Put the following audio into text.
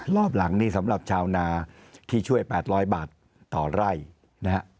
รอบหลังนี่สำหรับชาวนาที่ช่วย๘๐๐บาทต่อไร่นะฮะ